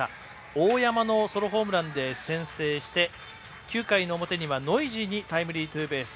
大山のソロホームランで先制して９回の表にはノイジーにタイムリーツーベース。